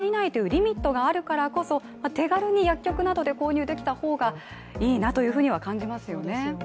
７２時間以内というリミットがあるからこそ手軽に薬局などで購入できた方がいいなというふうに感じますね。